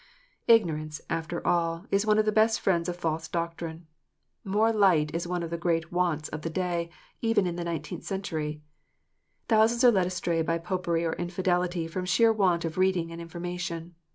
Ignorance, after all, is one of the best friends of false doctrine. More light is one of the great wants of the day, even in the nineteenth century. Thousands are led astray by Popery or infidelity from sheer want of reading and information.